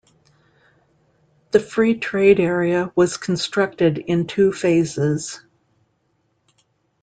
The free trade area was constructed in two phases.